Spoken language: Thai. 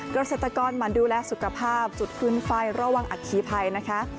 เกษตรกรหมั่นดูแลสุขภาพจุดฟื้นไฟระวังอัคคีภัยนะคะ